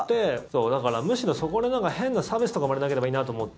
だから、むしろそこで変な差別とか生まれなければいいなと思って。